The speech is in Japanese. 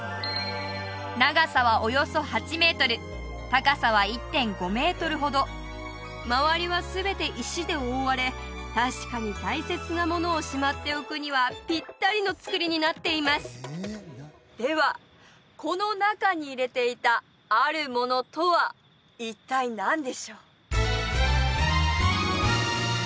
長さはおよそ８メートル高さは１．５メートルほど周りは全て石で覆われ確かに大切なものをしまっておくにはピッタリのつくりになっていますではこの中に入れていたあるものとは一体何でしょう？